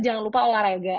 jangan lupa olahraga